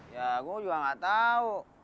ya gua juga nggak tahu